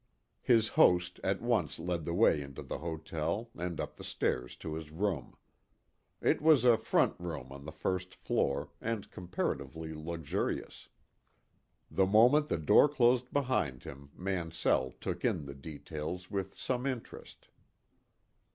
His host at once led the way into the hotel and up the stairs to his room. It was a front room on the first floor, and comparatively luxurious. The moment the door closed behind him Mansell took in the details with some interest.